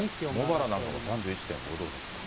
茂原なんかも３１．５度ですか。